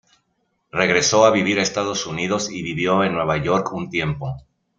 Regresó a vivir a Estados Unidos y vivió en Nueva York un tiempo.